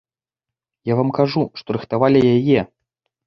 Я вам кажу, што рыхтавалі яе.